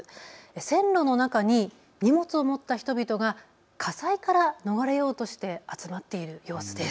線路の中に荷物を持った人々が火災から逃れようとして集まっている様子です。